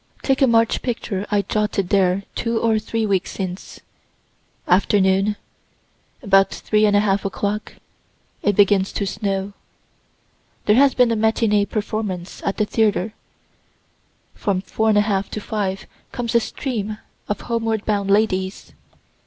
Take a March picture I jotted there two or three weeks since. Afternoon, about 3 1/2 o'clock, it begins to snow. There has been a matinee performance at the theater from 4 1/2 to 5 comes a stream of homeward bound ladies.